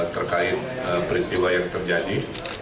terkait peristiwa yang terjadi